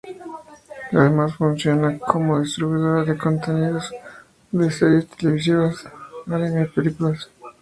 Además funciona como distribuidora de contenidos de series televisivas, anime y películas.